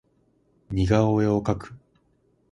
似顔絵を描く